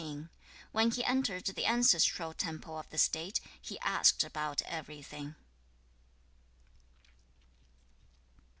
When he entered the ancestral temple of the State, he asked about everything.